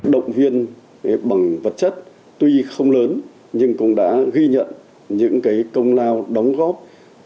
động viên bằng vật chất tuy không lớn nhưng cũng đã ghi nhận những công lao đóng góp